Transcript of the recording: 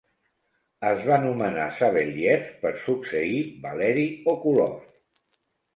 Es va nomenar Savelyev per succeir Valery Okulov.